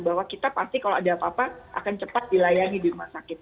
bahwa kita pasti kalau ada apa apa akan cepat dilayani di rumah sakit